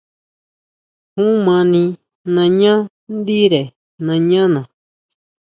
Jun mani nañá ndire nañá na.